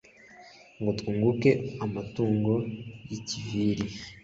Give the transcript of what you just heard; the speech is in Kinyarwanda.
Ngo twunguke amatungo y’i Kiviri